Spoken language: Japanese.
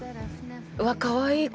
うわかわいい！